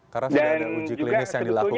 karena sudah ada uji klinis yang dilakukan ya